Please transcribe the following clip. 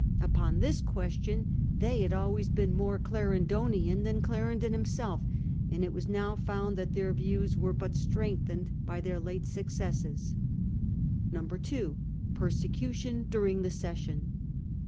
Upon this question they had always been more Clarendonian than Clarendon himself, and it was now found that their views were but strengthened by their late successes. 2. Persecution during the Session.